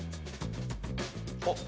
あっ。